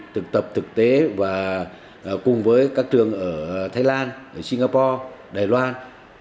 thực tập thực tế và cùng với các trường ở thái lan singapore đài loan